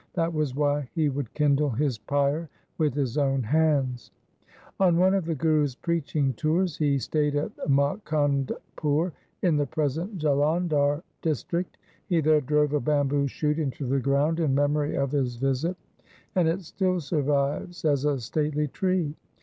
That was why he would kindle his pyre with his own hands. On one of the Guru's preaching tours he stayed at Mukandpur in the present Jalandhar district. He there drove a bamboo shoot into the ground in memory of his visit ; and it still survives as a stately tree.